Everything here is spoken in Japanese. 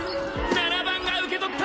７番が受け取った！